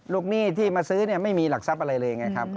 หนี้ที่มาซื้อไม่มีหลักทรัพย์อะไรเลยไงครับ